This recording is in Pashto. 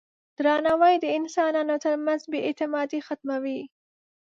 درناوی د انسانانو ترمنځ بې اعتمادي ختموي.